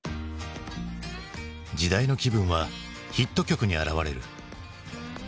時代の気分はヒット曲に表れる。